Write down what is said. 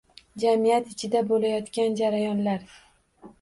Jamiyat ichida bo‘layotgan jarayonlar